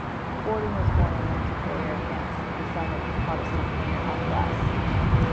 Bourdon was born in Montpellier, France, the son of a Protestant painter on glass.